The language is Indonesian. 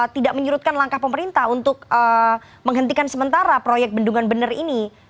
tidak menyurutkan langkah pemerintah untuk menghentikan sementara proyek bendungan bener ini